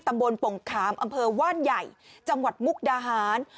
ปงขามอำเภอว่านใหญ่จังหวัดมุกดาหาร